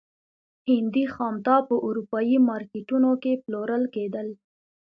هندي خامتا په اروپايي مارکېټونو کې پلورل کېدل.